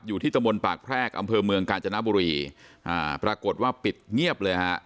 อยู่ที่ตะบนปากแพรกอำเภอเมืองกาญจนบุรีอ่าปรากฏว่าปิดเงียบเลยฮะ